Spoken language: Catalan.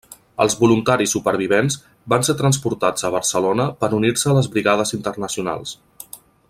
Els voluntaris supervivents van ser transportats a Barcelona per unir-se a les Brigades Internacionals.